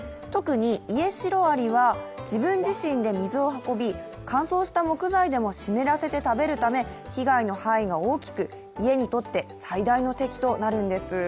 特にイエシロアリは、自分自身で水を運び、乾燥した木材でも湿らせて食べるため被害の範囲が大きく、家にとって最大の敵となるんです。